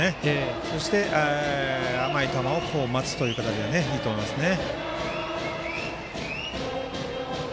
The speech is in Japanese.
そして、甘い球を待つという形でいいと思いますね。